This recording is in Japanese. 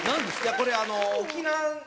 これ。